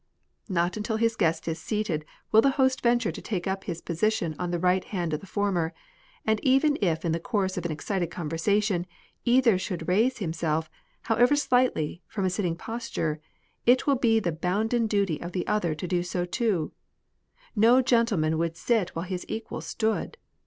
Not until his guest is seated will the host venture to take up his position on the right hand of the former; and even if in the course of an excited conversation, either should raise himself, however slightly, from a sitting posture, it will be the bounden duty of the other to do so too. No gentleman would sit while his equal stood.